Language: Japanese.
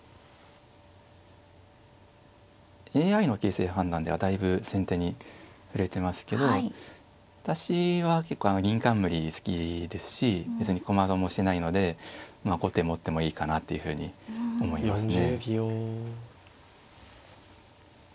ＡＩの形勢判断ではだいぶ先手に振れてますけど私は結構銀冠好きですし別に駒損もしてないので後手持ってもいいかなというふうに思いますね。